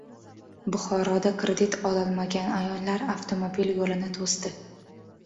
Buxoroda kredit ololmagan ayollar avtomobil yo‘lini to‘sdi